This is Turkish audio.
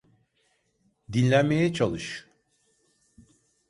Dinlenmeye çalış.